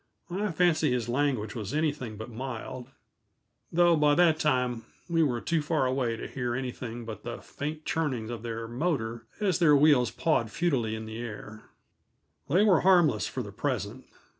I fancy his language was anything but mild, though by that time we were too far away to hear anything but the faint churning of their motor as their wheels pawed futilely in the air. They were harmless for the present.